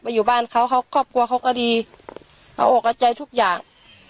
อยู่บ้านเขาเขาครอบครัวเขาก็ดีเขาออกเอาใจทุกอย่าง